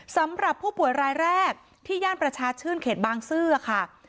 สำหรับผู้ป่วยรายแรกที่ย่านประชาชื่นเขตบางซื่อค่ะ